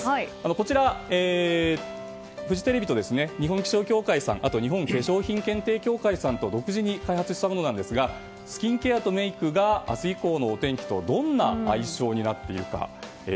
こちら、フジテレビと日本気象協会さんそして日本化粧品検定協会さんが独自に開発をしたものですがスキンケアとメイクが明日以降のお天気とどんな相性になっているか。